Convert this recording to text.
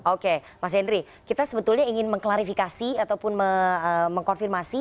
oke mas henry kita sebetulnya ingin mengklarifikasi ataupun mengkonfirmasi